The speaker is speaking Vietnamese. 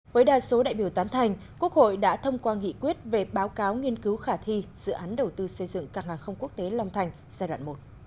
với đa số đại biểu tán thành quốc hội đã thông qua nghị quyết về báo cáo nghiên cứu khả thi dự án đầu tư xây dựng càng hàng không quốc tế long thành giai đoạn một